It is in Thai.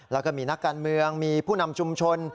แล้วก็มีนักการเมืองมีผู้นำชุมชน